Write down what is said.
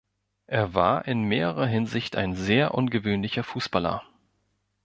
Er war in mehrerer Hinsicht ein sehr ungewöhnlicher Fußballer.